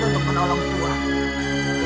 untuk menolong tuan